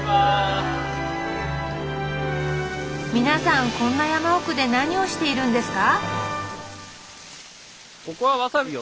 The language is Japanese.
皆さんこんな山奥で何をしているんですか？